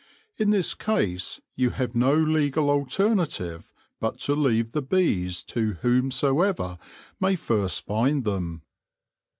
In this case you have no legal alternative but to leave the bees to whomsoever may first find them.